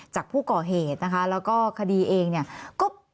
จากผู้ก่อเหตุนะคะแล้วก็คดีเองเนี่ยก็